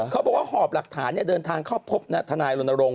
เขาบอกว่าหอบหลักฐานเดินทางเข้าพบทนายรณรงค